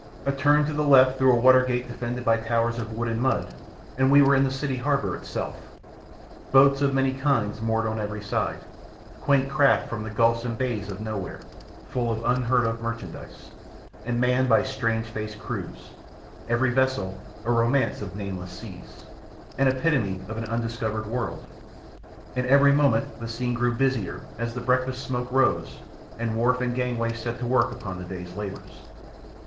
A turn to the left through a watergate defended by towers of wood and mud, and we were in the city harbour itself; boats of many kinds moored on every side; quaint craft from the gulfs and bays of Nowhere, full of unheard of merchandise, and manned by strange faced crews, every vessel a romance of nameless seas, an epitome of an undiscovered world, and every moment the scene grew busier as the breakfast smoke arose, and wharf and gangway set to work upon the day's labours.